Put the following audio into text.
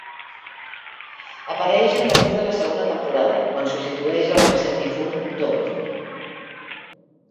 Apareix a partir de la segona temporada quan substitueix al recent difunt Dom.